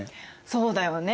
そうだよね。